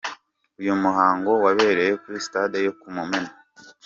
Uyu muhango wabereye kuri stade yo ku Mumena.